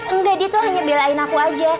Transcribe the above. enggak dia tuh hanya belain aku aja